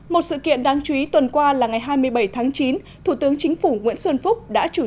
một sự kiện đáng chú ý tuần qua là ngày hai mươi bảy tháng chín thủ tướng chính phủ nguyễn xuân phúc đã chủ